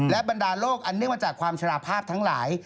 และบรรดาโลกอันเนื่องมาจากความชราภาพทั้งหลาย